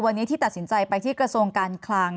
วันนี้ที่ตัดสินใจไปที่กระทรวงการคลัง